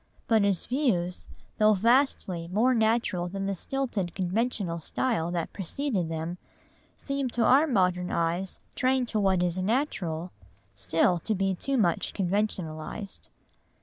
But his views, though vastly more natural than the stilted conventional style that preceded them, seem to our modern eyes, trained to what is "natural," still to be too much conventionalised.